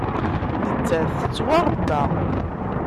Nettat tettwaṛebba.